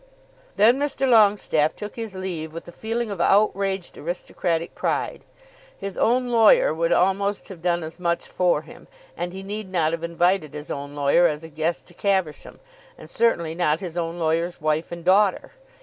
Then Mr. Longestaffe took his leave with a feeling of outraged aristocratic pride. His own lawyer would almost have done as much for him, and he need not have invited his own lawyer as a guest to Caversham, and certainly not his own lawyer's wife and daughter.